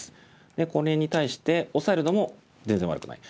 でこれに対してオサえるのも全然悪くない。